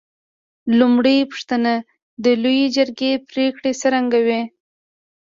لومړۍ پوښتنه: د لویې جرګې پرېکړې څرنګه وې؟